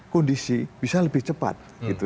kondisi bisa lebih cepat